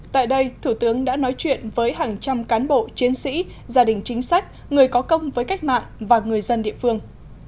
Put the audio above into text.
tại đây thủ tướng đã nói chuyện với hàng trăm cán bộ chiến sĩ gia đình chính sách người có công với cách mạng và người dân địa phương